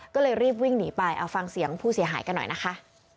ก็เลยรีบวิ่งหนีไปเอาฟังเสียงผู้เสียหายกันหน่อยนะคะ